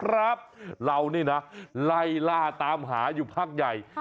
ครับเรานี่นะไล่ล่าตามหาอยู่พักใหญ่